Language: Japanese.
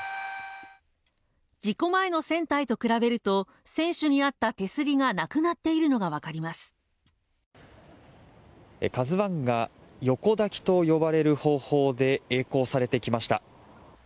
事故前の船体と比べると船首にあった手すりがなくなっているのが分かります「ＫＡＺＵ１」横抱きと呼ばれる方法で曳航されてきました